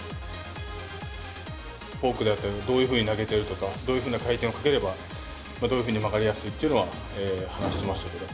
フォークだったり、どういうふうに投げてるとか、どういうふうな回転をかければどういうふうに曲がりやすいっていうのは、話してましたけど。